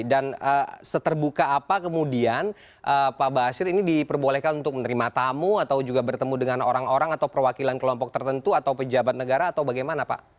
dan seterbuka apa kemudian pak basir ini diperbolehkan untuk menerima tamu atau juga bertemu dengan orang orang atau perwakilan kelompok tertentu atau pejabat negara atau bagaimana pak